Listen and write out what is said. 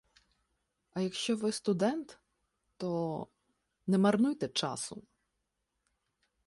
А якщо ви студент, то – не марнуйте часу